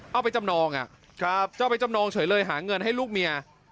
เอาไปจำนองจะเอาไปจำนองเฉยเลยหาเงินให้ลูกเมีย